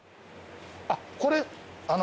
あっこれ。